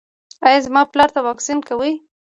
ایا زما پلار ته واکسین کوئ؟